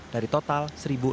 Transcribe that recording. dari total satu enam ratus